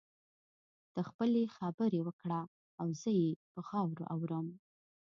ته خپلې خبرې وکړه او زه يې په غور اورم.